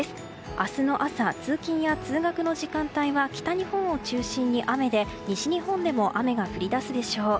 明日の朝、通勤や通学の時間帯は北日本を中心に雨で西日本でも雨が降り出すでしょう。